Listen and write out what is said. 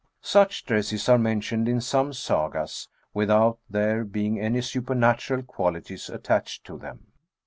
Such dresses are mentioned in some Sagas, without there being any supernatural qualities attached to them.